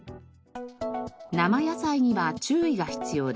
生野菜には注意が必要です。